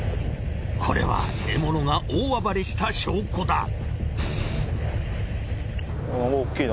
これは獲物が大暴れした証拠だ。